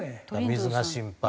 水が心配。